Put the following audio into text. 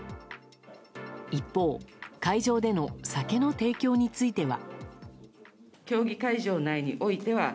一方、会場での酒の提供については。